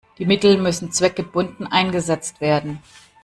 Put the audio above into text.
Die Mittel müssen zweckgebunden eingesetzt werden.